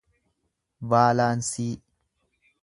vaalaansii